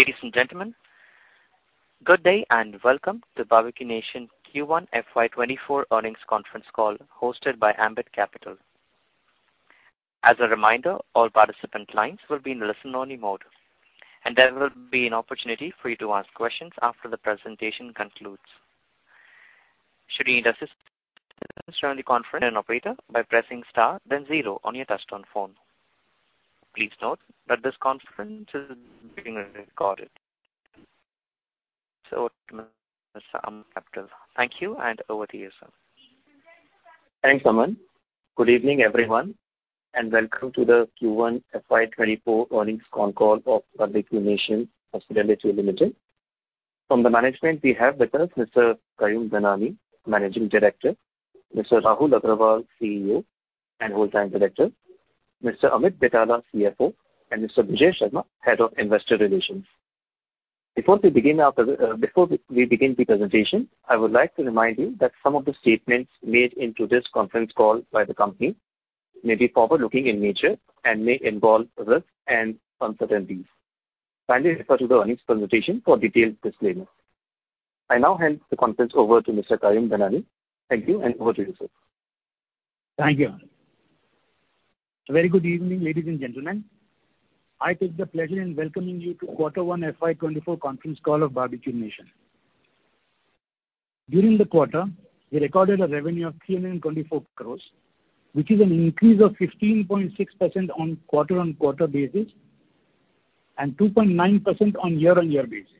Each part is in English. Ladies and gentlemen, good day and welcome to the Barbeque Nation Q1 FY 2024 Earnings Conference Call, hosted by Ambit Capital. As a reminder, all participant lines will be in listen-only mode, and there will be an opportunity for you to ask questions after the presentation concludes. Should you need assistance during the conference, an operator by pressing star then zero on your touch-tone phone. Please note that this conference is being recorded. Mr. Aman, thank you and over to you, sir. Thanks, Aman. Good evening, everyone, welcome to the Q1 FY 2024 earnings con call of Barbeque Nation Hospitality Limited. From the management, we have with us Mr. Kayum Dhanani, Managing Director; Mr. Rahul Agrawal, CEO and Whole Time Director; Mr. Amit Betala, CFO; and Mr. Bijay Sharma, Head of Investor Relations. Before we begin the presentation, I would like to remind you that some of the statements made into this conference call by the company may be forward-looking in nature and may involve risks and uncertainties. Kindly refer to the earnings presentation for detailed disclaimer. I now hand the conference over to Mr. Kayum Dhanani. Thank you, over to you, sir. Thank you, Aman. Very good evening, ladies and gentlemen. I take the pleasure in welcoming you to Q1 FY 2024 conference call of Barbeque Nation. During the quarter, we recorded a revenue of 324 crore, which is an increase of 15.6% on quarter-on-quarter basis and 2.9% on year-on-year basis.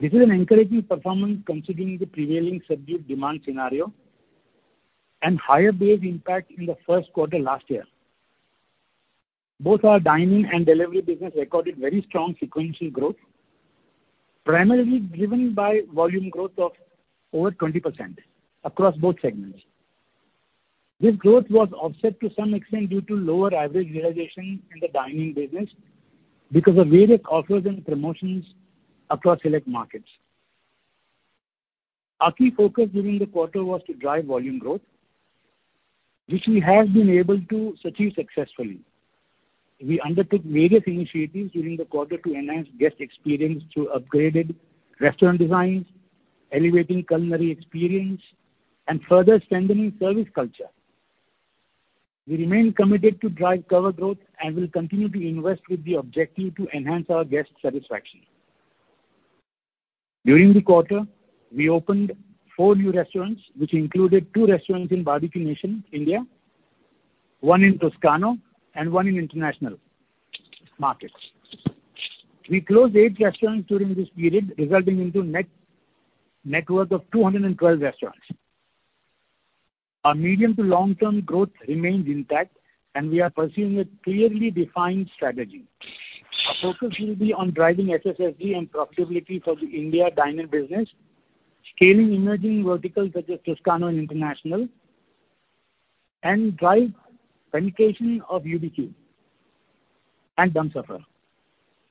This is an encouraging performance considering the prevailing subdued demand scenario and higher base impact in the Q1 last year. Both our dining and delivery business recorded very strong sequential growth, primarily driven by volume growth of over 20% across both segments. This growth was offset to some extent due to lower average realization in the dining business because of various offers and promotions across select markets. Our key focus during the quarter was to drive volume growth, which we have been able to achieve successfully. We undertook various initiatives during the quarter to enhance guest experience through upgraded restaurant designs, elevating culinary experience, and further strengthening service culture. We remain committed to drive cover growth and will continue to invest with the objective to enhance our guest satisfaction. During the quarter, we opened four new restaurants, which included two restaurants in Barbeque Nation, India, one in Toscano, and one in international markets. We closed eight restaurants during this period, resulting into net network of 212 restaurants. Our medium to long-term growth remains intact, and we are pursuing a clearly defined strategy. Our focus will be on driving SSSD and profitability for the India dining business, scaling emerging verticals such as Toscano and international, and drive penetration of UBQ and Dum Safar.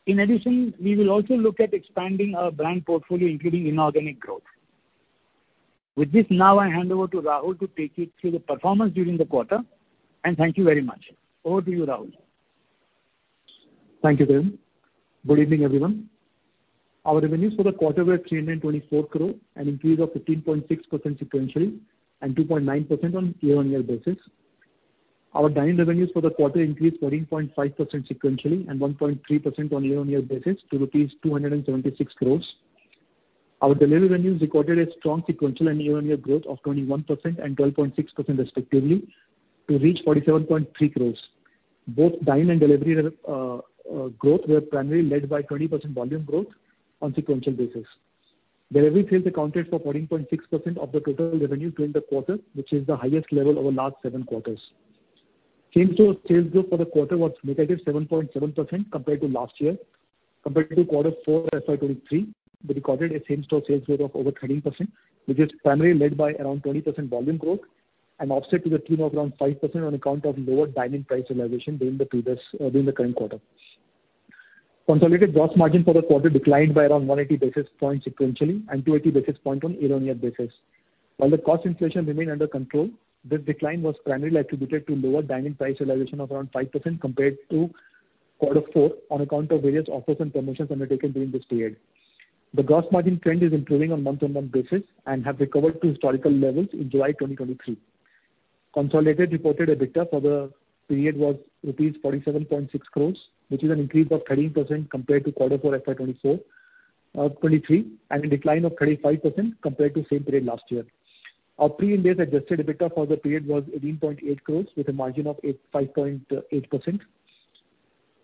We will also look at expanding our brand portfolio, including inorganic growth. With this, now I hand over to Rahul to take you through the performance during the quarter, and thank you very much. Over to you, Rahul. Thank you, Kayum. Good evening, everyone. Our revenues for the quarter were 324 crore, an increase of 15.6% sequentially and 2.9% on year-on-year basis. Our dine-in revenues for the quarter increased 14.5% sequentially and 1.3% on year-on-year basis to rupees 276 crore. Our delivery revenues recorded a strong sequential and year-on-year growth of 21% and 12.6% respectively to reach 47.3 crore. Both dine-in and delivery growth were primarily led by 20% volume growth on sequential basis. Delivery sales accounted for 14.6% of the total revenue during the quarter, which is the highest level over last seven quarters. Same-store sales growth for the quarter was -7.7% compared to last year. Compared to Q4 FY 2023, we recorded a same-store sales growth of over 13%, which is primarily led by around 20% volume growth and offset to the tune of around 5% on account of lower dine-in price realization during the previous, during the current quarter. Consolidated gross margin for the quarter declined by around 180 basis points sequentially and 280 basis points on year-on-year basis. While the cost inflation remained under control, this decline was primarily attributed to lower dine-in price realization of around 5% compared to Q4 on account of various offers and promotions undertaken during this period. The gross margin trend is improving on month-on-month basis and have recovered to historical levels in July 2023. Consolidated reported EBITDA for the period was ₹47.6 crores, which is an increase of 13% compared to Q4 FY 2023, and a decline of 35% compared to same period last year. Our Pre-Ind AS adjusted EBITDA for the period was ₹18.8 crores with a margin of 5.8%.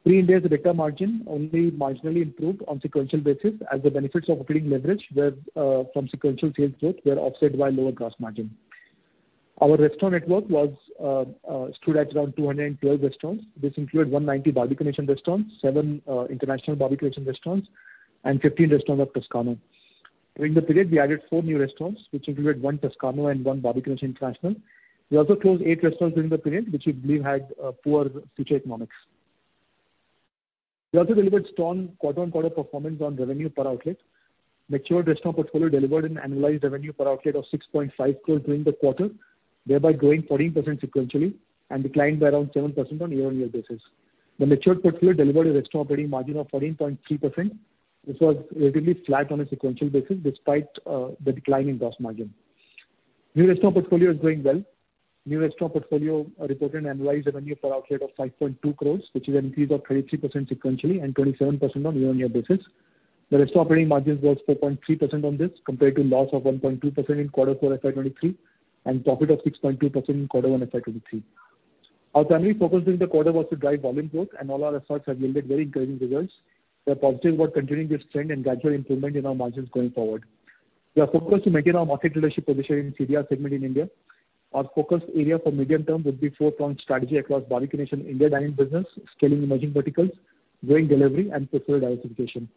Pre-Ind AS EBITDA margin only marginally improved on sequential basis, as the benefits of operating leverage were from sequential sales growth were offset by lower gross margin. Our restaurant network stood at around 212 restaurants. This included 190 Barbeque Nation restaurants, seven international Barbeque Nation restaurants, and 15 restaurants of Toscano. During the period, we added four new restaurants, which included one Toscano and one Barbeque Nation international. We also closed eight restaurants during the period, which we believe had poor future economics. We also delivered strong quarter-on-quarter performance on revenue per outlet. Matured restaurant portfolio delivered an annualized revenue per outlet of 6.5 crore during the quarter, thereby growing 14% sequentially, and declined by around 7% on year-on-year basis. The matured portfolio delivered a restaurant operating margin of 14.3%, which was relatively flat on a sequential basis, despite the decline in gross margin. New restaurant portfolio is doing well. New restaurant portfolio reported an annualized revenue per outlet of 5.2 crores, which is an increase of 33% sequentially, and 27% on year-on-year basis. The restaurant operating margins was 4.3% on this, compared to loss of 1.2% in Q4 FY 2023, and profit of 6.2% in Q1 FY 2023. Our primary focus during the quarter was to drive volume growth, and all our efforts have yielded very encouraging results. We are positive about continuing this trend and gradual improvement in our margins going forward. We are focused to maintain our market leadership position in CDR segment in India. Our focus area for medium term would be focused on strategy across Barbeque Nation in-dine business, scaling emerging verticals, growing delivery, and portfolio diversification.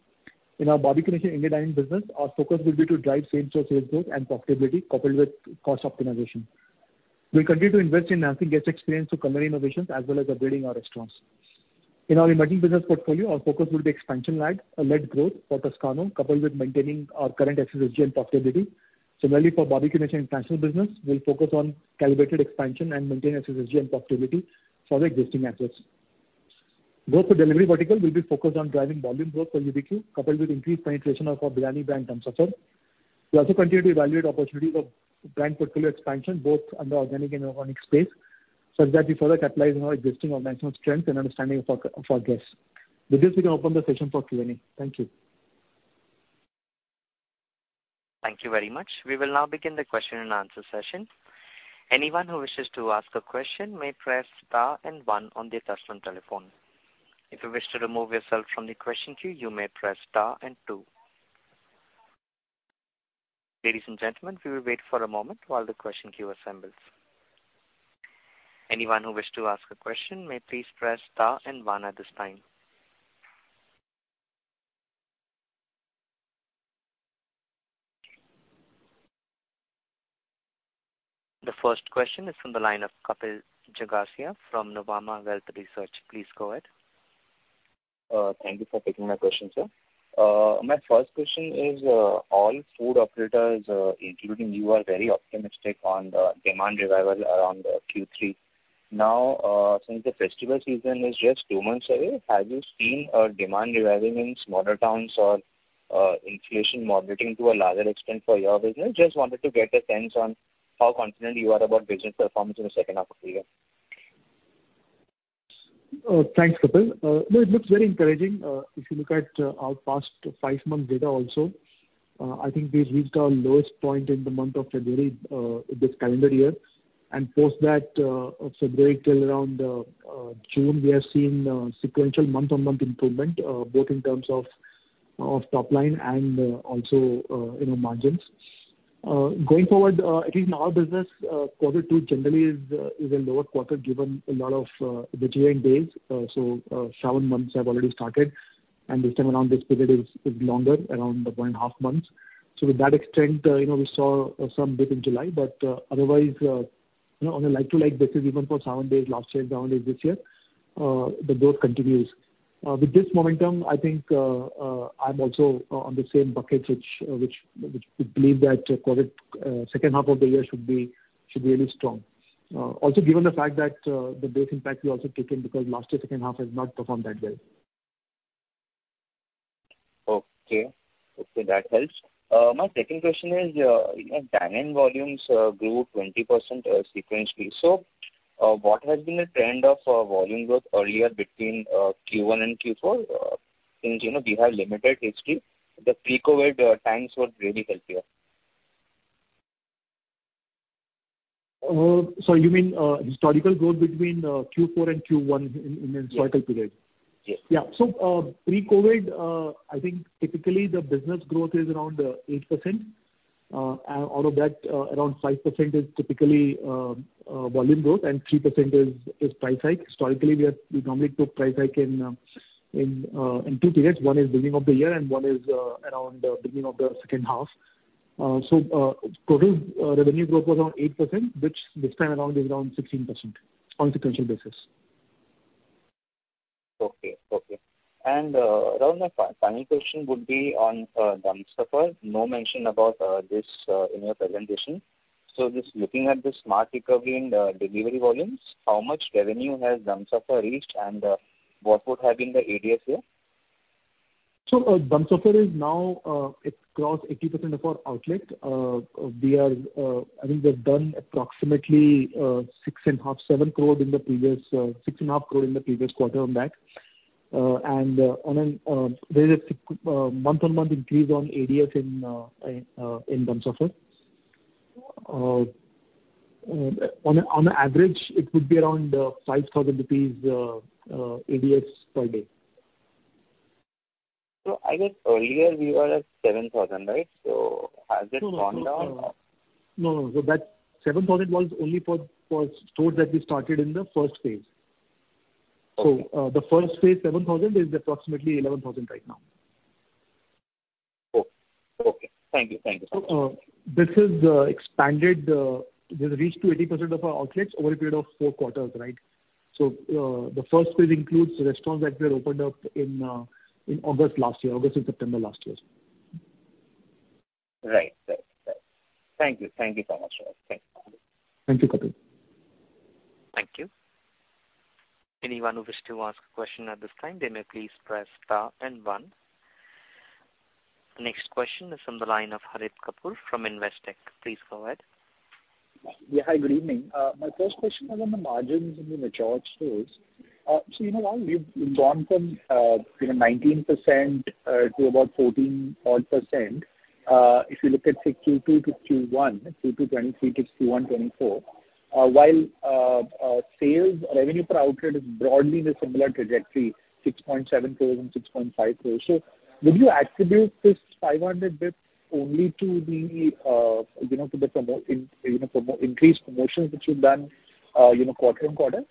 In our Barbeque Nation in-dine business, our focus will be to drive same-store sales growth and profitability, coupled with cost optimization. We'll continue to invest in enhancing guest experience through culinary innovations as well as upgrading our restaurants. In our emerging business portfolio, our focus will be expansion-led, led growth for Toscano, coupled with maintaining our current eccentricity and profitability. Similarly, for Barbeque Nation International business, we'll focus on calibrated expansion and maintain eccentricity and profitability for the existing assets. Growth for delivery vertical will be focused on driving volume growth for UBQ, coupled with increased penetration of our biryani brand, Dum Safar. We also continue to evaluate opportunities of brand portfolio expansion, both under organic and inorganic space, such that we further capitalize on our existing organizational strength and understanding of our, of our guests. With this, we can open the session for Q&A. Thank you. Thank you very much. We will now begin the question and answer session. Anyone who wishes to ask a question may press star and 1 on their touchtone telephone. If you wish to remove yourself from the question queue, you may press star and two. Ladies and gentlemen, we will wait for a moment while the question queue assembles. Anyone who wishes to ask a question may please press star and 1 at this time. The first question is from the line of Kapil Jagasia from Nuvama Wealth Research. Please go ahead. Thank you for taking my question, sir. My first question is, all food operators, including you, are very optimistic on the demand revival around Q3. Since the festival season is just two months away, have you seen a demand revival in smaller towns or, inflation moderating to a larger extent for your business? Just wanted to get a sense on how confident you are about business performance in the second half of the year. Thanks, Kapil. No, it looks very encouraging. If you look at our past five-month data also, I think we've reached our lowest point in the month of February this calendar year. Post that, February till around June, we have seen sequential month-on-month improvement, both in terms of top line and also, you know, margins. Going forward, at least in our business, Q2 generally is a lower quarter, given a lot of vegetarian days. Seven months have already started, and this time around, this period is longer, around one and a half months. With that extent, you know, we saw some dip in July. Otherwise, you know, on a like-to-like basis, even for seven days last year and seven days this year, the growth continues. With this momentum, I think, I'm also on the same bucket, which, which we believe that COVID, second half of the year should be, should be really strong. Given the fact that, the base impact we also take in, because last year second half has not performed that well. Okay. Okay, that helps. My second question is, you know, dine-in volumes grew 20% sequentially. What has been the trend of volume growth earlier between Q1 and Q4? Since, you know, we have limited history, the pre-COVID times were really healthier. You mean historical growth between Q4 and Q1 in the historical period? Yes. Yeah. Pre-COVID, I think typically the business growth is around 8%. Out of that, around 5% is typically, volume growth, and 3% is, is price hike. Historically, we normally took price hike in, in two periods. One is beginning of the year, and one is around the beginning of the second half. Total revenue growth was around 8%, which this time around is around 16% on sequential basis. Okay. Okay. Around my final question would be on Dum Safar. No mention about this in your presentation. Just looking at the smart recovery in the delivery volumes, how much revenue has Dum Safar reached? What would have been the ADSU? Dum Safar is now, it crossed 80% of our outlet. We are, I think we've done approximately ₹6.5 to 7 crore in the previous, ₹6.5 crore in the previous quarter on that. And on an, there's a month-on-month increase on ADS in Dum Safar. On a average, it would be around ₹5,000 ADS per day. I guess earlier we were at ₹7,000, right? Has it gone down or No, no. That 7,000 was only for stores that we started in the first phase. Okay. The first phase, ₹7,000, is approximately ₹11,000 right now. Oh, okay. Thank you. Thank you. This is expanded, this reached to 80% of our outlets over a period of four quarters, right? The first phase includes restaurants that were opened up in August last year, August and September last year. Right. Right, right. Thank you. Thank you so much. Thank you. Thank you, Kapil. Thank you. Anyone who wish to ask a question at this time, they may please press star and one. The next question is on the line of Harit Kapoor from Investec. Please go ahead. Yeah, hi, good evening. My first question was on the margins in the mature stores. You know, while you've gone from, you know, 19%, to about 14 point %, if you look at Q2 to Q1, 2 to 2023 to Q1 2024, sales revenue per outlet is broadly in a similar trajectory, 6.7 crores and 6.5 crores. Would you attribute this 500 bits only to the, you know, to the promo- you know, promo- increased promotions which you've done, you know, quarter-on-quarter?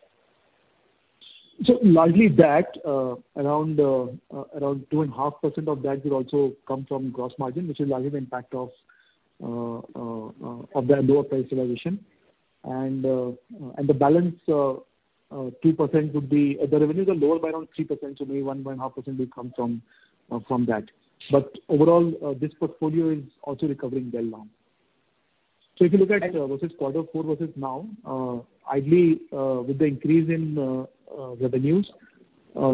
Largely that, around, around 2.5% of that will also come from gross margin, which is largely the impact of that lower price realization. The balance 2% would be The revenues are lower by around 3%, so maybe 1.5% will come from that. Overall, this portfolio is also recovering well now. If you look at versus Q4 versus now, ideally, with the increase in revenues,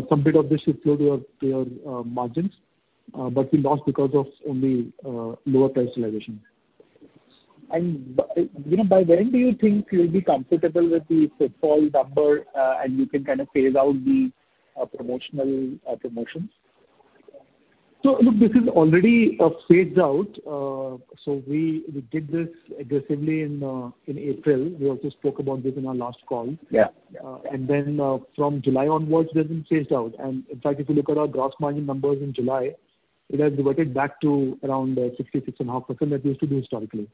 some bit of this should flow to your, to your margins, but we lost because of only lower price realization. You know, by when do you think you'll be comfortable with the fall number, and you can kind of phase out the promotional promotions? Look, this is already phased out. We, we did this aggressively in April. We also spoke about this in our last call. Yeah. Then from July onwards, this has been phased out. In fact, if you look at our gross margin numbers in July, it has reverted back to around 60% to 65% that we used to do historically.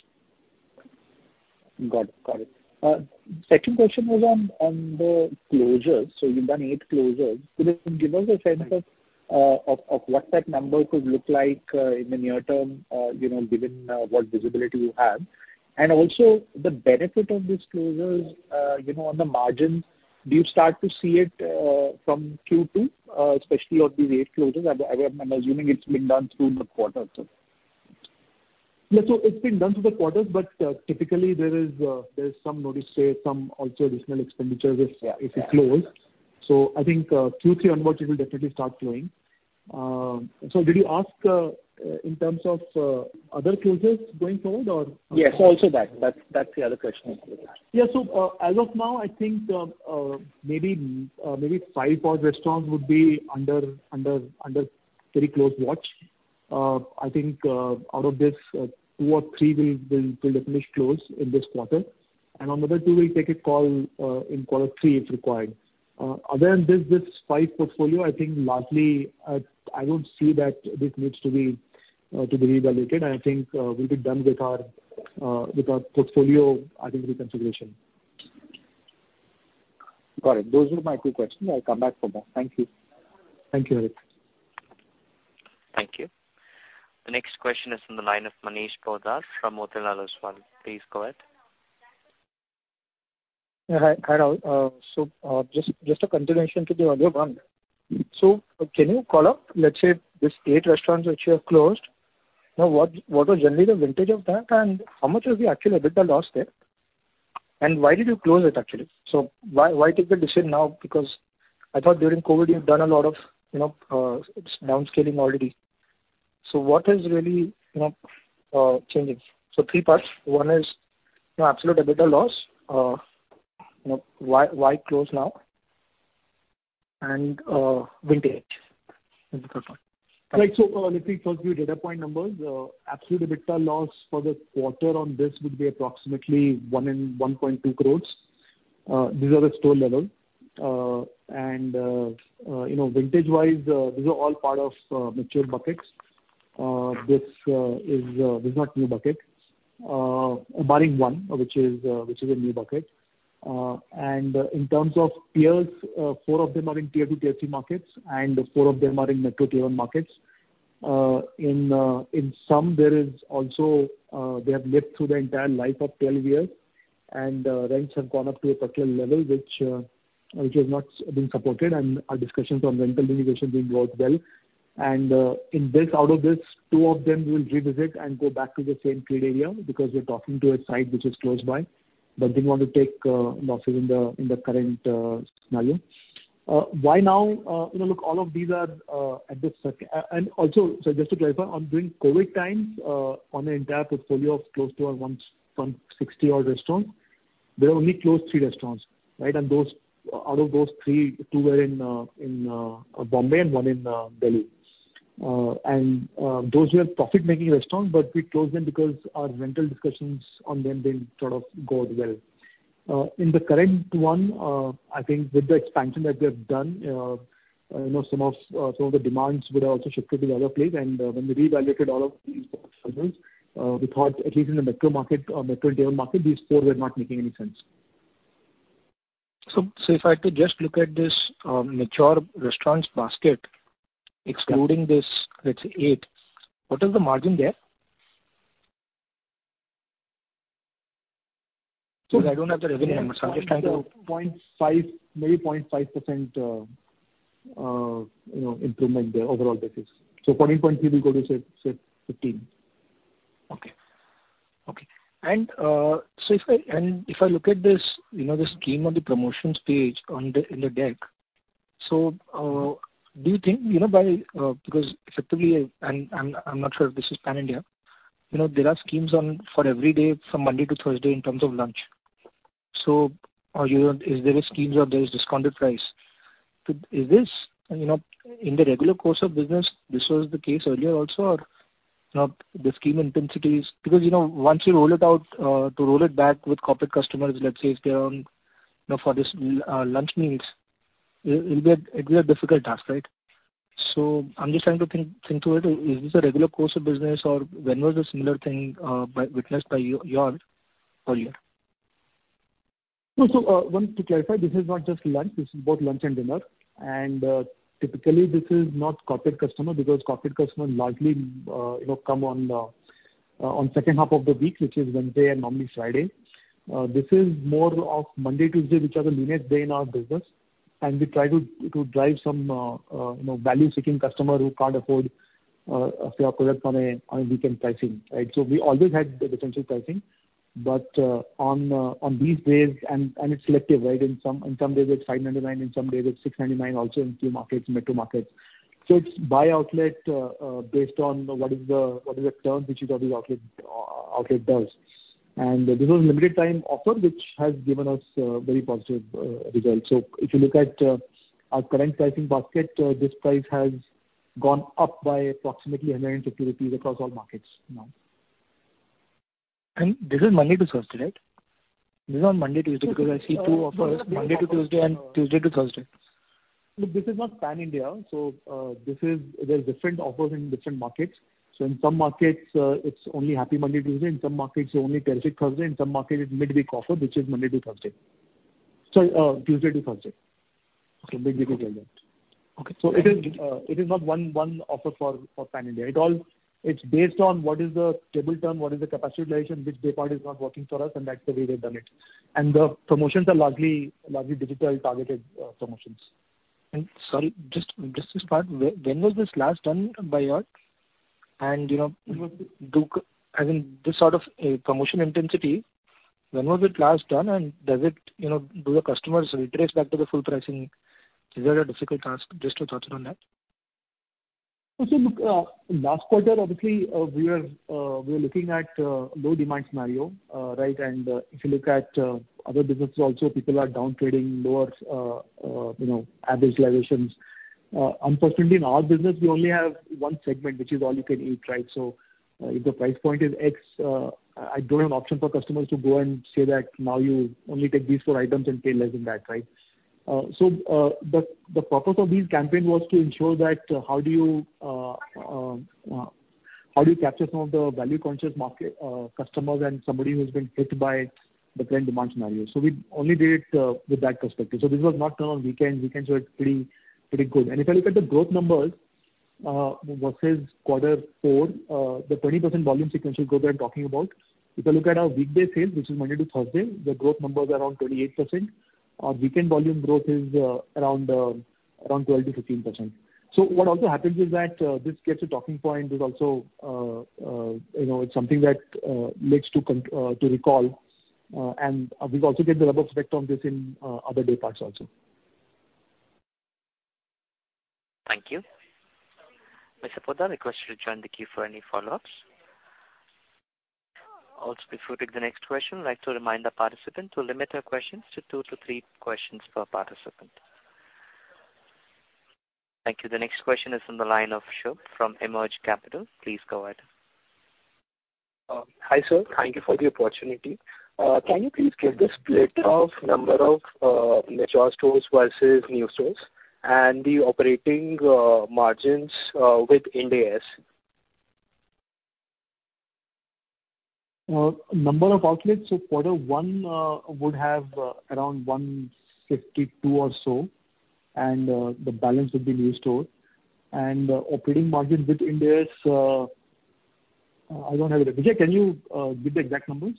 Got it. Got it. Second question was on, on the closures. So you've done eight closures. Could you give us a sense of what that number could look like in the near term, you know, given what visibility you have? Also, the benefit of these closures, you know, on the margins, do you start to see it from Q2, especially on these eight closures? I, I, I'm assuming it's been done through the quarter. Yeah. So it's been done through the quarter, but typically there is, there's some notice, say, some also additional expenditures if- Yeah. -if you close. I think Q3 onwards, it will definitely start flowing. Did you ask in terms of other closures going forward or? Yes, also that. That's, that's the other question. As of now, I think maybe five odd restaurants would be under very close watch. I think out of this, two or three will definitely close in this quarter. On the other two, we'll take a call in Q3, if required. Other than this, this five portfolio, I think largely, I don't see that this needs to be reevaluated. I think we'll be done with our portfolio, I think, reconfiguration. Got it. Those were my two questions. I'll come back for more. Thank you. Thank you, Harit. Thank you. The next question is from the line of Manish Poddar from Motilal Oswal. Please go ahead. Yeah, hi, so, just, just a continuation to the other one. Can you call up, let's say, these eight restaurants which you have closed, now, what was generally the vintage of that, and how much has we actually EBITDA lost there? Why did you close it, actually? Why, why take the decision now? Because I thought during COVID, you've done a lot of, you know, downscaling already. What is really, you know, changing? Three parts. One is, you know, absolute EBITDA loss, you know, why, why close now? Vintage, is the third one. Right. Let me first give you data point numbers. Absolute EBITDA loss for the quarter on this would be approximately ₹1.0 to 1.2 crore. These are the store level. And, you know, vintage-wise, these are all part of mature buckets. This is not new bucket, barring one, which is a new bucket. And in terms of tiers, four of them are in Tier Two, Tier Three markets, and four of them are in Metro Tier One markets. In some there is also, they have lived through their entire life of 12 years, and rents have gone up to a particular level, which has not been supported, and our discussions on rental renegotiation being going well. In this, out of this, two of them we will revisit and go back to the same trade area, because we're talking to a site which is close by, but didn't want to take losses in the current scenario. Why now? You know, look, all of these are and also, so just to clarify, during COVID times, on the entire portfolio of close to our 160-odd restaurants, we have only closed three restaurants, right? Out of those three, two were in Bombay and one in Delhi. Those were profit-making restaurants, but we closed them because our rental discussions on them, they sort of go out well. In the current one, I think with the expansion that we have done, you know, some of, some of the demands were also shifted to the other place. When we reevaluated all of these factors, we thought, at least in the metro market or metro tier market, these stores were not making any sense. If I could just look at this mature restaurants basket, excluding this, let's say, eight, what is the margin there? I don't have the revenue, I'm just trying to. 0.5, maybe 0.5%, you know, improvement there, overall basis. 14.3 will go to, say, say, 15. Okay. Okay. So if I look at this, you know, the scheme on the promotions page on the deck, do you think, you know, because effectively, I'm not sure if this is pan-India. You know, there are schemes on for every day from Monday to Thursday in terms of lunch. You know, there is schemes or there is discounted price. Is this, you know, in the regular course of business, this was the case earlier also, or, you know, the scheme intensities, because, you know, once you roll it out, to roll it back with corporate customers, let's say, if they are on, you know, for this, lunch meals, it'll be a difficult task, right? I'm just trying to think, think through it. Is this a regular course of business, or when was a similar thing, witnessed by Yaar earlier? One, to clarify, this is not just lunch, this is both lunch and dinner. Typically, this is not corporate customer, because corporate customer largely, you know, come on second half of the week, which is Wednesday and normally Friday. This is more of Monday, Tuesday, which are the leanest day in our business, and we try to drive some, you know, value-seeking customer who can't afford, say, our product on a weekend pricing, right? We always had the differential pricing, but on these days, and it's selective, right? In some, in some days, it's ₹599, in some days it's ₹699, also in few markets, metro markets. It's by outlet, based on what is the term which is of the outlet, outlet does. This is limited time offer, which has given us very positive results. If you look at our current pricing basket, this price has gone up by approximately 150 rupees across all markets now. This is Monday to Thursday, right? This is on Monday, Tuesday, because I see two offers, Monday to Tuesday and Tuesday to Thursday. Look, this is not Pan-India, this is. There are different offers in different markets. In some markets, it's only Happy Monday, Tuesday, in some markets, only Perfect Thursday, in some markets, it's mid-week offer, which is Monday to Thursday. Sorry, Tuesday to Thursday. Okay, mid-week to Thursday. Okay. It is, it is not one, one offer for, for pan-India. It's based on what is the table term, what is the capacity utilization, which day part is not working for us, and that's the way we've done it. The promotions are largely, largely digitally targeted, promotions. Sorry, just, just this part, when was this last done by Yaar? You know, do, I mean, this sort of a promotion intensity, when was it last done? Does it, you know, do the customers retrace back to the full pricing? Is that a difficult task? Just to touch on that. So, so, look, last quarter, obviously, we are, we are looking at low demand scenario, right? If you look at other businesses also, people are down trading lower, you know, average utilizations. Unfortunately, in our business, we only have one segment, which is all you can eat, right? If the price point is X, I don't have option for customers to go and say that, "Now you only take these four items and pay less than that," right? The purpose of this campaign was to ensure that how do you, how do you capture some of the value-conscious market, customers and somebody who's been hit by the current demand scenario. We only did it with that perspective. This was not done on weekends. Weekends were pretty, pretty good. If you look at the growth numbers, versus Q4, the 20% volume sequential growth I'm talking about, if you look at our weekday sales, which is Monday to Thursday, the growth numbers are around 28%. Our weekend volume growth is around around 12% to 15%. What also happens is that, this gets a talking point. It's also, you know, it's something that leads to recall, and we've also get the rubber effect on this in other day parts also. Thank you. Mr. Poddar, I request you to join the queue for any follow-ups. Also, before we take the next question, I'd like to remind the participant to limit their questions to two to three questions per participant. Thank you. The next question is from the line of Shubh from Emerge Capital. Please go ahead. Hi, sir. Thank you for the opportunity. Can you please give the split of number of mature stores versus new stores and the operating margins with Ind AS? Number of outlets, so Q1 would have around 152 or so, and the balance would be new store. Operating margins with Ind AS, I don't have it. Bijay, can you give the exact numbers?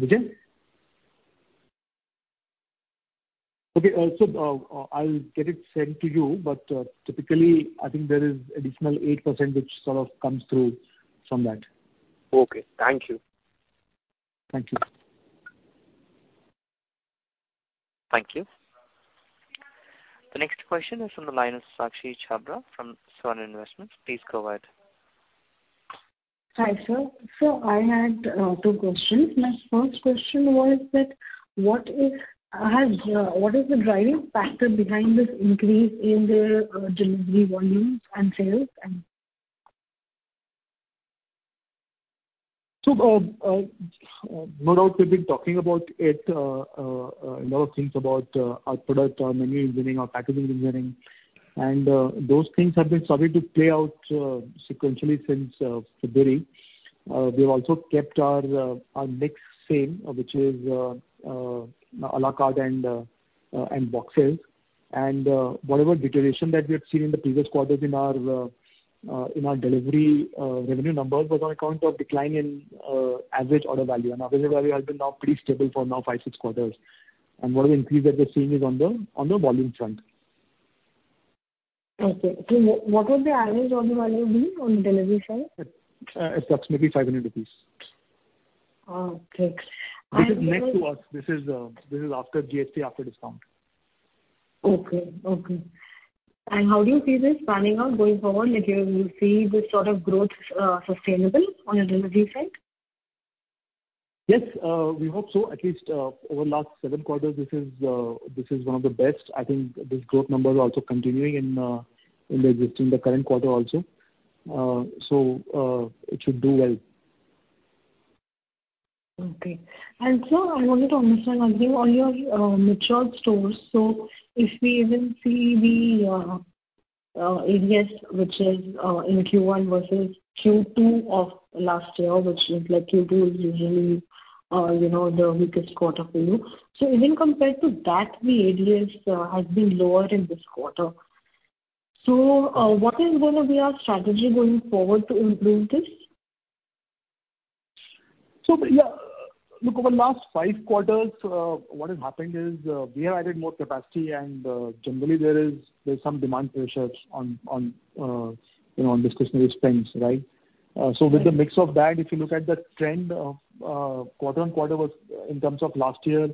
Bijay? Okay, so I'll get it sent to you, but typically, I think there is additional 8% which sort of comes through from that. Okay, thank you. Thank you. Thank you. The next question is from the line of Sakshi Chhabra from Swan Investments. Please go ahead. Hi, sir. I had two questions. My first question was that, what is, has, what is the driving factor behind this increase in the, delivery volumes and sales and No doubt we've been talking about it, a lot of things about our product, our menu engineering, our packaging engineering, and those things have been starting to play out sequentially since February. We've also kept our mix same, which is a la carte and box sales. Whatever deterioration that we have seen in the previous quarters in our delivery revenue numbers was on account of decline in average order value. Average value has been now pretty stable for now five, six quarters, and what the increase that we're seeing is on the volume front. Okay. What, what was the average order value being on delivery side? Approximately ₹500. Okay. This is next to us. This is, this is after GST, after discount. Okay, okay. How do you see this panning out going forward? If you will see this sort of growth sustainable on a delivery side? Yes, we hope so. At least, over the last seven quarters, this is, this is one of the best. I think this growth number is also continuing in, in the existing, the current quarter also. It should do well. Okay. Sir, I wanted to understand, I think on your matured stores, if we even see the ADS, which is in Q1 versus Q2 of last year, which is like Q2 is usually, you know, the weakest quarter for you. Even compared to that, the ADS has been lower in this quarter. What is gonna be our strategy going forward to improve this? Yeah, look, over the last five quarters, what has happened is, we have added more capacity, generally there is, there's some demand pressures on, on, you know, on discretionary spends, right? With the mix of that, if you look at the trend of quarter-on-quarter was in terms of last year,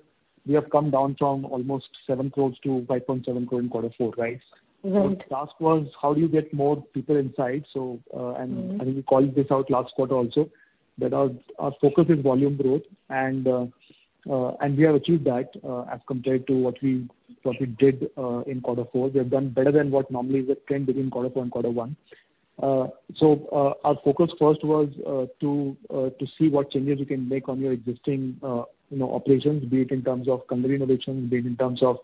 we have come down from almost 7 crore to 5.7 crore in Q4, right? Right. The task was, how do you get more people inside? Mm-hmm. I think we called this out last quarter also, that our focus is volume growth. We have achieved that as compared to what we did in Q4. We have done better than what normally the trend between Q4 and Q1. Our focus first was to see what changes you can make on your existing, you know, operations, be it in terms of culinary innovations, be it in terms of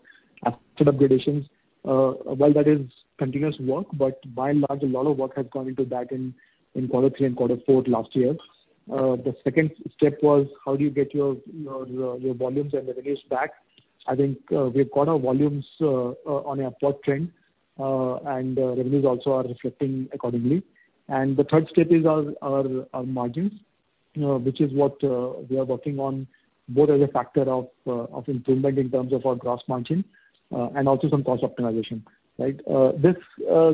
asset upgradations. While that is continuous work, but by and large, a lot of work has gone into that in, in Q3 and Q4 last year. The second step was: How do you get your volumes and revenues back? I think, we've got our volumes, on a upward trend, and revenues also are reflecting accordingly. The third step is our, our, our margins, which is what, we are working on, both as a factor of, of improvement in terms of our gross margin, and also some cost optimization, right? This,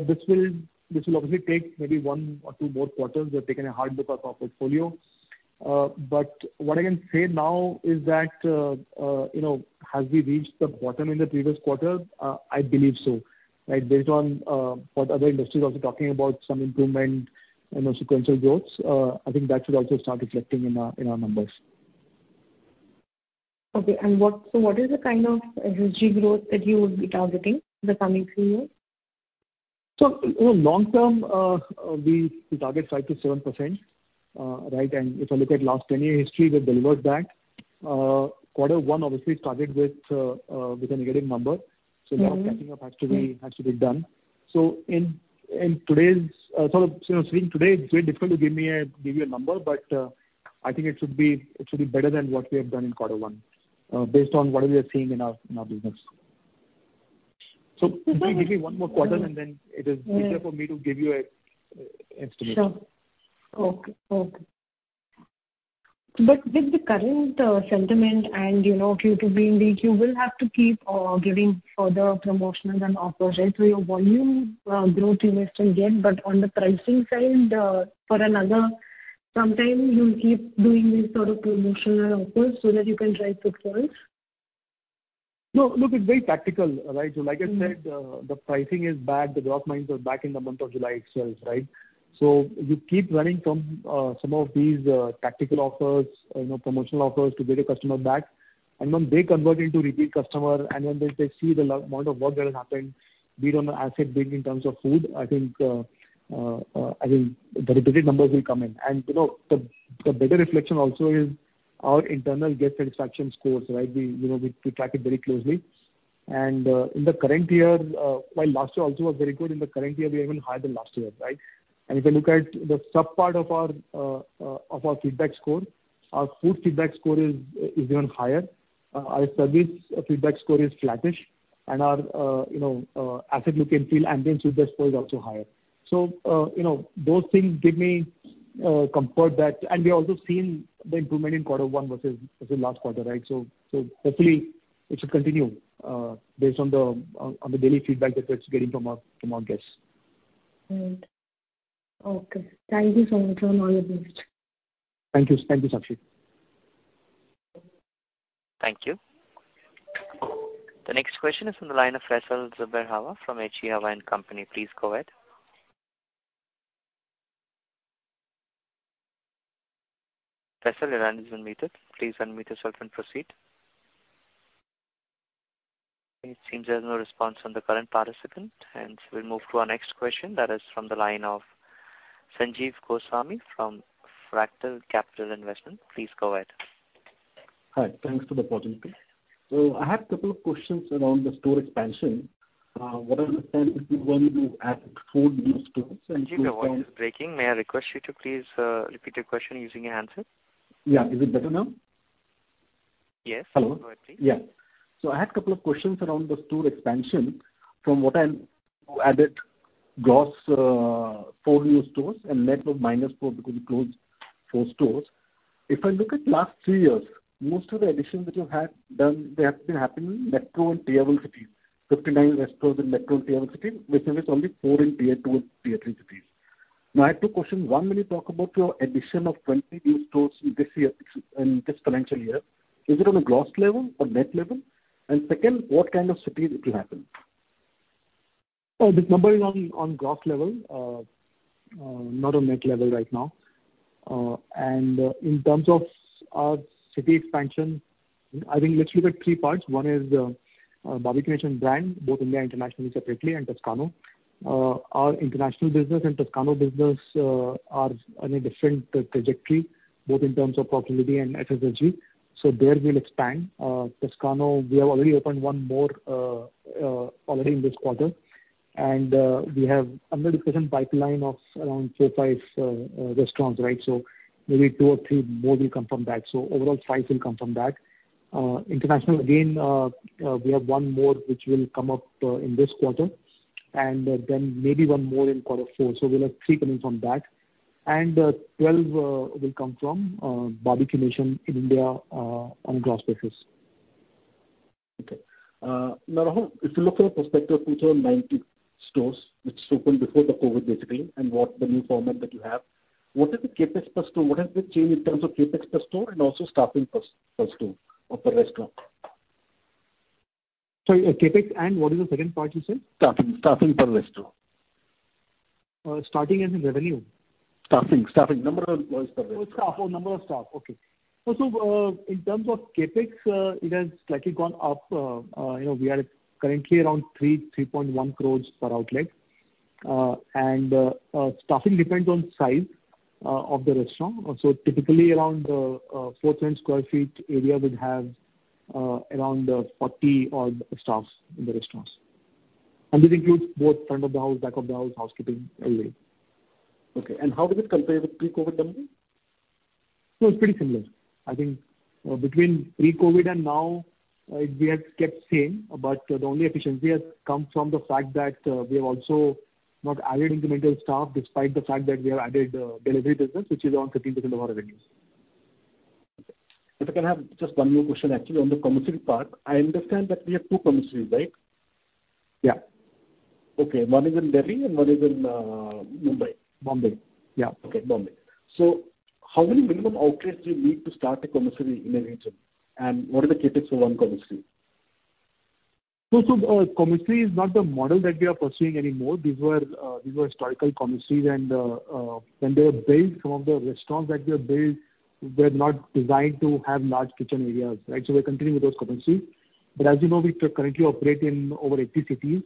this will, this will obviously take maybe one or two more quarters. We've taken a hard look at our portfolio. But what I can say now is that, you know, have we reached the bottom in the previous quarter? I believe so, right? Based on, what other industries are also talking about some improvement and also sequential growth, I think that should also start reflecting in our, in our numbers. Okay. What, so what is the kind of revenue growth that you would be targeting in the coming three years? you know, long term, we target 5% to 7%, right? if I look at last 10-year history, we've delivered that. Q1 obviously started with a negative number. Mm-hmm. A lot of catching up has to be done. In today's, sort of, you know, seeing today, it's very difficult to give you a number, but I think it should be, it should be better than what we have done in Q1, based on what we are seeing in our business. Give me one more quarter, and then it is easier for me to give you an estimate. Sure. Okay, okay. With the current sentiment and, you know, Q2 being weak, you will have to keep giving further promotions and offers, right? Your volume growth you will still get, but on the pricing side, for another sometime you'll keep doing this sort of promotional offers so that you can drive footfalls? No, look, it's very tactical, right? Mm-hmm. Like I said, the pricing is back, the gross margins are back in the month of July itself, right? You keep running some, some of these tactical offers, you know, promotional offers to get a customer back. When they convert into repeat customer and when they, they see the amount of work that has happened, be it on the asset build in terms of food, I think, I think the repeat numbers will come in. You know, the, the better reflection also is our internal guest satisfaction scores, right? We, you know, we, we track it very closely. In the current year, while last year also was very good, in the current year, we are even higher than last year, right? If you look at the sub-part of our of our feedback score, our food feedback score is, is even higher. Our service feedback score is flattish, and our, you know, asset look and feel and then feedback score is also higher. So, you know, those things give me comfort that. We have also seen the improvement in Q1 versus, versus last quarter, right? So, so hopefully it should continue, based on the, on the daily feedback that that's getting from our, from our guests. Okay. Thank you so much for all your views. Thank you. Thank you, Sakshi. Thank you. The next question is from the line of Faisal Zubair Hawa from HE Hawa and Company. Please go ahead. Faisal, your line is unmuted. Please unmute yourself and proceed. It seems there's no response from the current participant, and so we'll move to our next question that is from the line of Sanjeev Goswami from Fractal Capital Investment. Please go ahead. Hi. Thanks for the opportunity. I have couple of questions around the store expansion. What I understand is you're going to add 4 new stores. Excuse me, your voice is breaking. May I request you to please repeat your question using a headset? Yeah. Is it better now? Yes. Hello? Yeah. I had a couple of questions around the store expansion. You added gross four new stores and net of -4, because you closed four stores. If I look at last three years, most of the additions that you have done, they have been happening in metro and tier one cities. 59 restaurants in metro and tier one cities, versus only four in Tier Two and Tier Three cities. I have two questions. One, when you talk about your addition of 20 new stores in this year, in this financial year, is it on a gross level or net level? Second, what kind of cities it will happen? Oh, this number is on gross level, not on net level right now. In terms of our city expansion, I think let's look at three parts. One is Barbeque Nation brand, both India and internationally, separately and Toscano. Our international business and Toscano business are on a different trajectory, both in terms of profitability and SSG, so there we'll expand. Toscano, we have already opened one more already in this quarter, and we have under the present pipeline of around four, five restaurants, right? So maybe two or three more will come from that. So overall, five will come from that. International again, we have one more which will come up in this quarter, and then maybe one more in Q4. So we'll have three coming from that. 12 will come from Barbeque Nation in India on gross basis. Okay. now, if you look at the prospective future of 90 stores which opened before the COVID basically, and what the new format that you have, what is the CapEx per store? What has been change in terms of CapEx per store and also staffing per, per store or per restaurant? Sorry, CapEx and what is the second part you said? Staffing, staffing per restaurant. Staffing, as in revenue? Staffing, staffing. Number of staff. Oh, staff. Oh, number of staff. Okay. In terms of CapEx, it has slightly gone up. You know, we are currently around 3 to 3.1 crore per outlet. And staffing depends on size of the restaurant. Typically, around 4,000 sq ft area would have around 40 odd staff in the restaurants. This includes both front of the house, back of the house, housekeeping, everything. Okay. How does it compare with pre-COVID numbers? It's pretty similar. I think, between pre-COVID and now, we have kept same, but the only efficiency has come from the fact that we have also not added incremental staff, despite the fact that we have added, delivery business, which is around 15% of our revenues. Okay. If I can have just one more question, actually, on the commissary part. I understand that we have two commissaries, right? Yeah. Okay. One is in Delhi and one is in Mumbai. Mumbai. Yeah. Okay, Mumbai. How many minimum outlets do you need to start a commissary in a region? What are the CapEx for one commissary? So, so, commissary is not the model that we are pursuing anymore. These were, these were historical commissaries and, when they were built, some of the restaurants that were built were not designed to have large kitchen areas, right? We're continuing with those commissaries. As you know, we currently operate in over 80 cities,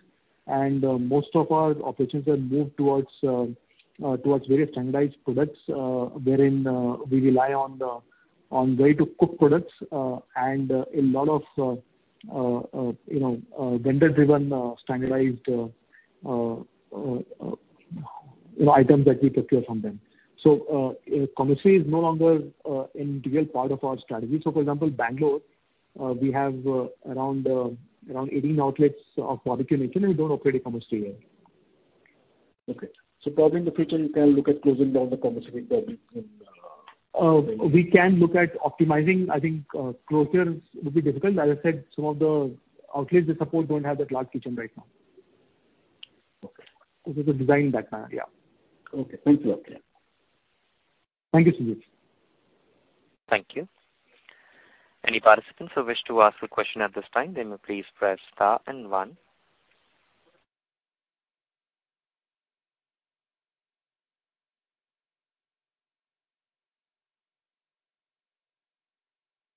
and most of our operations have moved towards, towards very standardized products, wherein we rely on the, on ready-to-cook products, and a lot of, you know, vendor-driven, standardized, you know, items that we procure from them. Commissary is no longer an integral part of our strategy. For example, Bangalore, we have around, around 18 outlets of Barbeque Nation, and we don't operate a commissary there. Okay. So probably in the future, you can look at closing down the commissary in. We can look at optimizing. I think closure would be difficult. As I said, some of the outlets they support don't have that large kitchen right now. Okay. This is a design background. Yeah. Okay. Thank you. Okay. Thank you, Sanjeev. Thank you. Any participants who wish to ask a question at this time, then may please press star and one.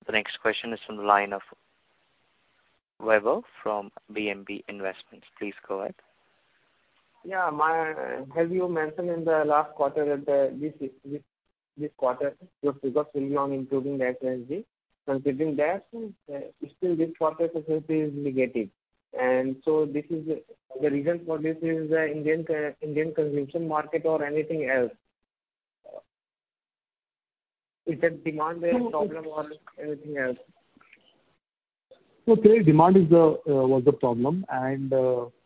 The next question is from the line of Weber from BNB Investments. Please go ahead. Yeah, have you mentioned in the last quarter that, this, this, this quarter, your focus will be on improving SSG? Considering that, still this quarter is negative, and so the reason for this is, Indian consumption market or anything else? Is it demand problem or anything else? Clearly, demand is the was the problem.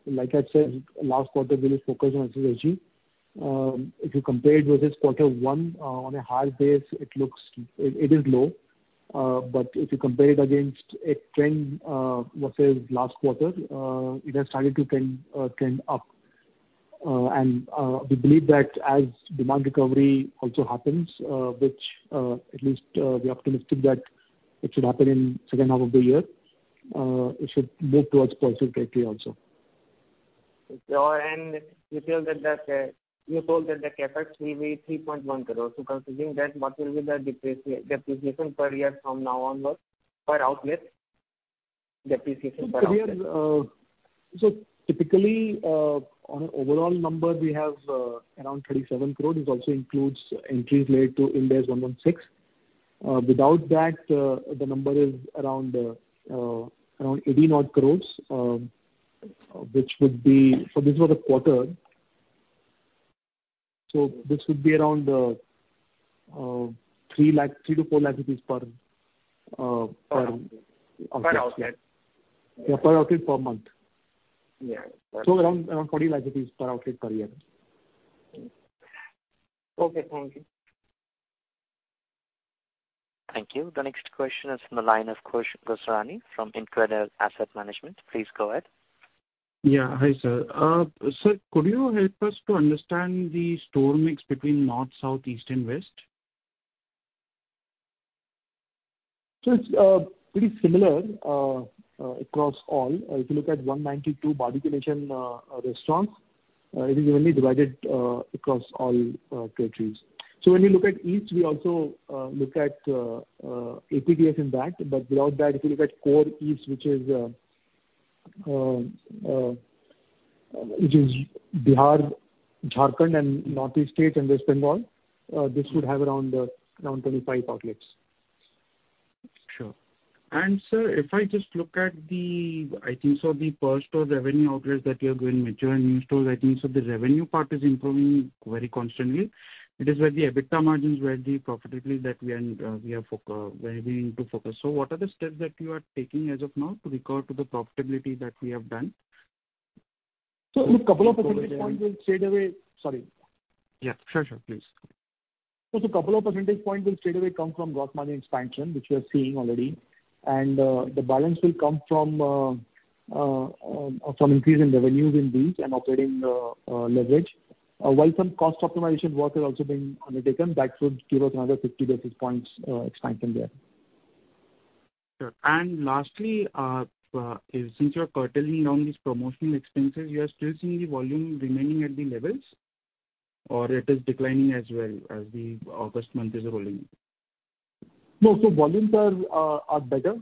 Like I said, last quarter, we focused on SSG. If you compare it versus Q1, on a high base, it looks, it, it is low. If you compare it against a trend, versus last quarter, it has started to trend, trend up. We believe that as demand recovery also happens, which, at least, we are optimistic that it should happen in second half of the year, it should move towards positive territory also. Okay. You feel that the, you told that the CapEx will be 3.1 crores. Considering that, what will be the depreciation per year from now onward, per outlet? Depreciation per outlet. Typically, on an overall number, we have around ₹37 crores. This also includes entries related to Ind AS 116. Without that, the number is around ₹18 odd crores, which would be. This is for the quarter. This would be around ₹3 lakh, ₹3 to 4 lakh rupees per. Per outlet. Yeah, per outlet per month. Yeah. Around 0.40 crore rupees per outlet per year. Okay, thank you. Thank you. The next question is from the line of Khush Gosrani from Increda Asset Management. Please go ahead. Yeah. Hi, sir. Sir, could you help us to understand the store mix between north, south, east, and west? It's pretty similar across all. If you look at 192 Barbeque Nation restaurants, it is evenly divided across all territories. When you look at east, we also look at APDF in that, but without that, if you look at core east, which is Bihar, Jharkhand, and Northeast States, and West Bengal, this would have around around 25 outlets. Sure. sir, if I just look at the, I think so the per store revenue outlets that you are going mature and new stores, I think so the revenue part is improving very constantly. It is where the EBITDA margins, where the profitability that we are, we are where we need to focus. What are the steps that you are taking as of now to recover to the profitability that we have done? So, a couple of percentage points will straightaway. Sorry. Yeah, sure, sure. Please. A couple of percentage points will straightaway come from gross margin expansion, which we are seeing already, and the balance will come from increase in revenues in these and operating leverage. While some cost optimization work is also being undertaken, that should give us another 50 basis points expansion there. Sure. Lastly, since you are curtailing down these promotional expenses, you are still seeing the volume remaining at the levels, or it is declining as well as the August month is rolling in? Volumes are better.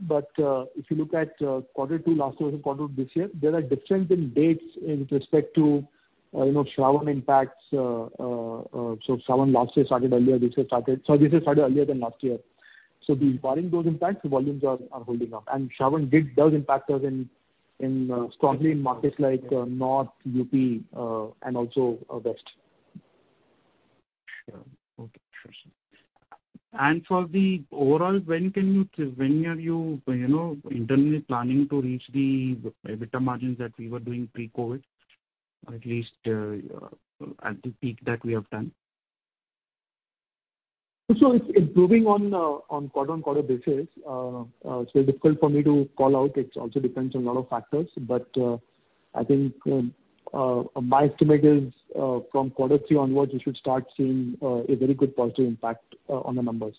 If you look at Q2 last year and Q2 this year, there are difference in dates in respect to, you know, Shravan impacts. Shravan last year started earlier. This year started earlier than last year. Barring those impacts, the volumes are holding up. Shravan did, does impact us in, strongly in markets like North, UP, and also, West. Sure. Okay. Sure, sir. For the overall, when can you, when are you, you know, internally planning to reach the EBITDA margins that we were doing pre-COVID, or at least, at the peak that we have done? It's improving on, on quarter-on-quarter basis. It's very difficult for me to call out. It also depends on a lot of factors, but I think my estimate is, from quarter three onwards, we should start seeing a very good positive impact on the numbers.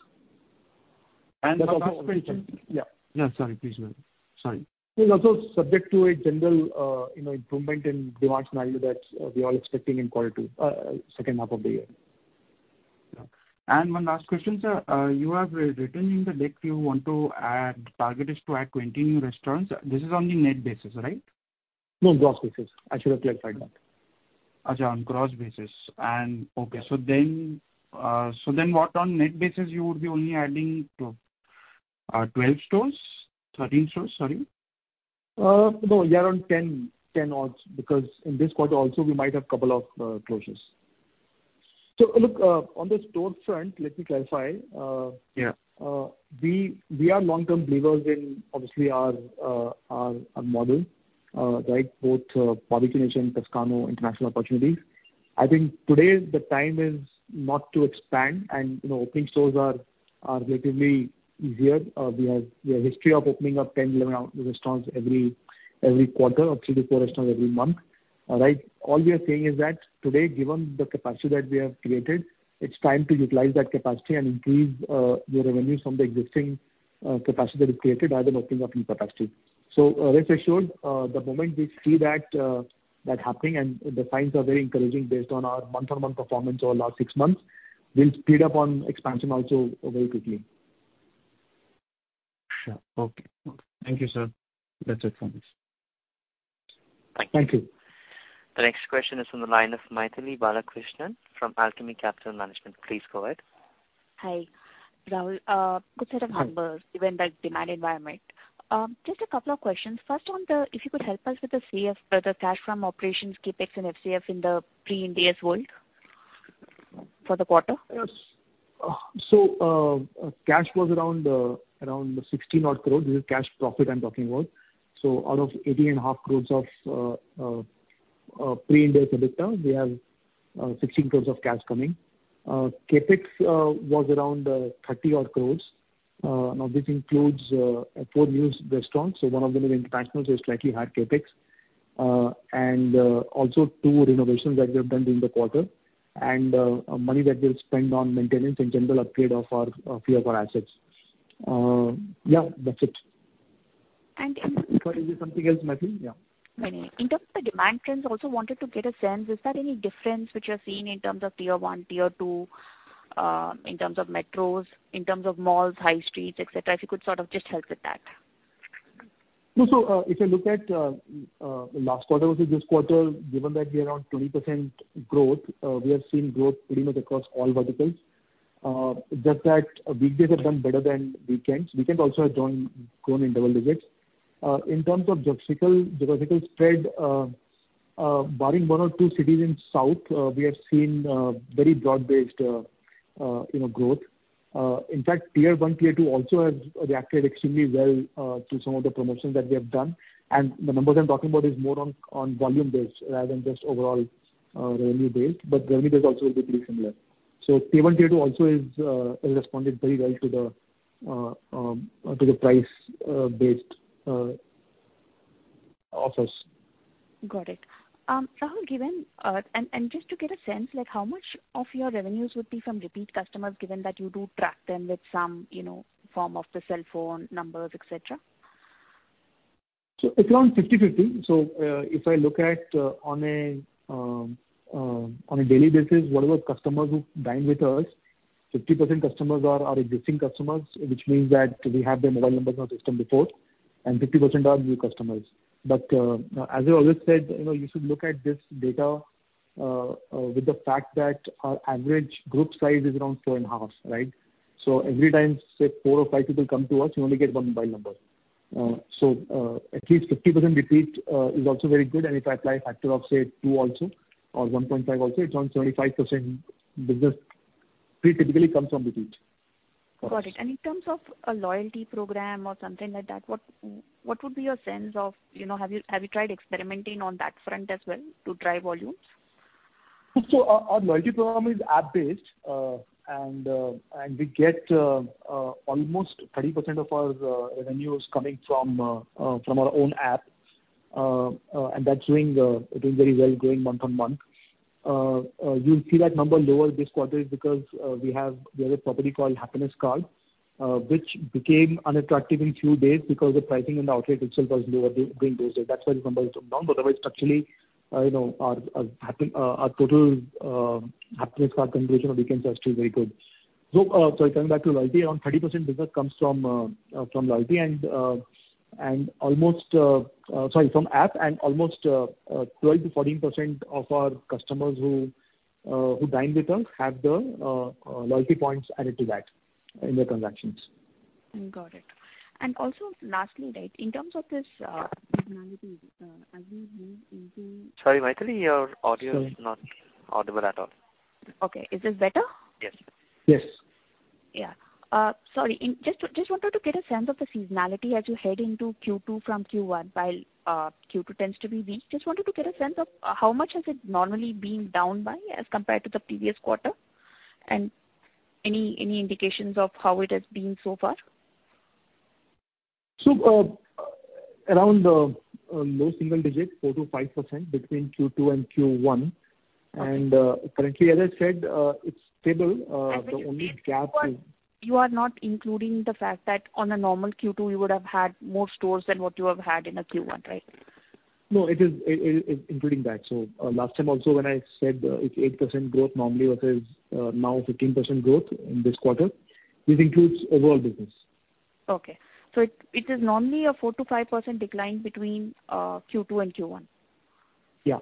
The last question. Yeah. Yeah, sorry. Please go ahead. Sorry. It's also subject to a general, you know, improvement in demand scenario that we are all expecting in Q2, second half of the year. Yeah. One last question, sir. You have written in the deck you want to add, target is to add 20 new restaurants. This is on the net basis, right? No, gross basis. I should have clarified that. Okay, on gross basis. Okay, so then, so then what on net basis you would be only adding, 12 stores, 13 stores? Sorry. No, we are on 10, 10 odds, because in this quarter also, we might have couple of closures. Look, on the store front, let me clarify. Yeah. We, we are long-term believers in obviously our, our, our model, right, both Barbeque Nation, Toscano, international opportunities. I think today the time is not to expand, and, you know, opening stores are relatively easier. We have a history of opening up 10, 11 restaurants every quarter or three to four restaurants every month. All right? All we are saying is that today, given the capacity that we have created, it's time to utilize that capacity and increase the revenue from the existing capacity that is created rather than opening up new capacity. As I showed, the moment we see that happening, and the signs are very encouraging based on our month-on-month performance over last six months, we'll speed up on expansion also very quickly. Sure. Okay. Thank you, sir. That's it from us. Thank you. The next question is from the line of Mythili Balakrishnan from Alchemy Capital Management. Please go ahead. Hi, Rahul. good set of numbers- Hi. given the demand environment. just a couple of questions. First, If you could help us with the CF, the cash from operations, CapEx and FCF in the pre-Ind AS world for the quarter? Yes. Cash was around 60 odd crores. This is cash profit I'm talking about. Out of 80.5 crores of Pre-Ind AS EBITDA, we have 16 crores of cash coming. CapEx was around 30 odd crores. Now, this includes four new restaurants, so one of them is international, so it's slightly high CapEx. Also two renovations that we have done during the quarter, and money that we'll spend on maintenance and general upgrade of our few of our assets. Yeah, that's it. And in Sorry, is there something else, Mythili? Yeah. In terms of the demand trends, I also wanted to get a sense, is there any difference which you are seeing in terms of tier one, tier two, in terms of metros, in terms of malls, high streets, et cetera? If you could sort of just help with that. No. If you look at last quarter versus this quarter, given that we are around 20% growth, we are seeing growth pretty much across all verticals. Just that weekdays have done better than weekends. Weekends also have joined, grown in double digits. In terms of geographical, geographical spread, barring one or two cities in south, we have seen very broad-based, you know, growth. In fact, Tier One, Tier Two also has reacted extremely well to some of the promotions that we have done. And the numbers I'm talking about is more on, on volume base rather than just overall revenue base, but revenue base also will be pretty similar. Tier One, Tier Two also is has responded very well to the to the price based offers. Got it. Rahul, given, and just to get a sense, like, how much of your revenues would be from repeat customers, given that you do track them with some, you know, form of the cell phone numbers, et cetera? It's around 50/50. If I look at on a daily basis, whatever customers who dine with us, 50% customers are our existing customers, which means that we have their mobile numbers on system before, 50% are new customers. As I always said, you know, you should look at this data with the fact that our average group size is around 4.5, right? Every time, say, four or five people come to us, you only get 1 mobile number. At least 50% repeat is also very good, if I apply a factor of, say, two also or 1.5 also, it's around 75% business pretty typically comes from repeat. Got it. In terms of a loyalty program or something like that, what, what would be your sense of, you know? Have you, have you tried experimenting on that front as well to drive volumes? Our, our loyalty program is app-based, and, and we get, almost 30% of our revenues coming from, from our own app. That's doing, doing very well, growing month-on-month. You'll see that number lower this quarter because we have the other property called Happiness Card, which became unattractive in few days because the pricing in the outlet itself was lower during those days. That's why the numbers come down, but otherwise structurally, you know, our total Happiness Card conversion on weekends are still very good. Coming back to loyalty, around 30% business comes from loyalty, and almost sorry, from app, and almost 12% to 14% of our customers who dine with us have the loyalty points added to that in their transactions. Got it. Also, lastly, right, in terms of this seasonality, as we move into Sorry, Mythili, your audio is not audible at all. Okay. Is this better? Yes. Yes. Yeah. Sorry, just wanted to get a sense of the seasonality as you head into Q2 from Q1, while Q2 tends to be weak. Just wanted to get a sense of how much has it normally been down by as compared to the previous quarter, and any indications of how it has been so far? Around low single digits, 4% to 5% between Q2 and Q1. Okay. Currently, as I said, it's stable. The only gap is You are not including the fact that on a normal Q2, you would have had more stores than what you have had in a Q1, right? No, it is including that. Last time also, when I said, it's 8% growth normally versus, now 15% growth in this quarter, this includes overall business. Okay. It, it is normally a 4% to 5% decline between Q2 and Q1? Yeah.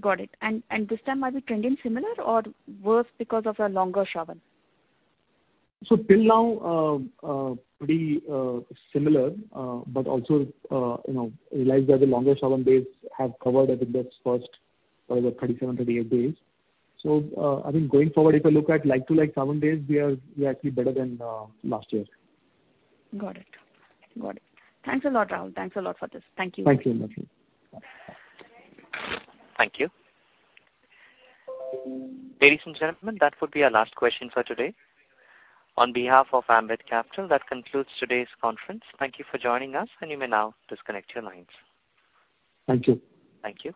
Got it. And this time, are we trending similar or worse because of a longer Shravan? Till now, pretty similar, but also, you know, realized that the longer Shravan days have covered, I think that's first, the 37, 38 days. I think going forward, if you look at like to like Shravan days, we are, we are actually better than last year. Got it. Got it. Thanks a lot, Rahul. Thanks a lot for this. Thank you. Thank you, Mythili. Thank you. Ladies and gentlemen, that would be our last question for today. On behalf of Ambit Capital, that concludes today's conference. Thank you for joining us, and you may now disconnect your lines. Thank you. Thank you.